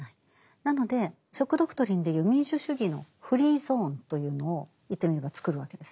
なので「ショック・ドクトリン」でいう民主主義のフリーゾーンというのを言ってみれば作るわけですね。